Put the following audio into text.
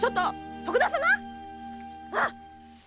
徳田様っ